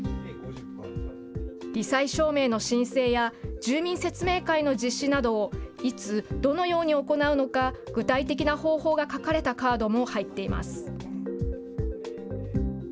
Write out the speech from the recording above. り災証明の申請や住民説明会の実施などをいつ、どのように行うのか、具体的な方法が書かれたカードも入っています。